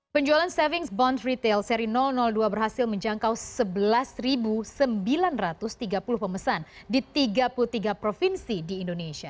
penjualan savings bond retail seri dua berhasil menjangkau sebelas sembilan ratus tiga puluh pemesan di tiga puluh tiga provinsi di indonesia